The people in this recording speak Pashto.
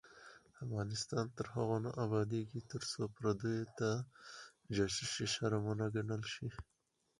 افغانستان تر هغو نه ابادیږي، ترڅو پردیو ته جاسوسي شرم ونه ګڼل شي.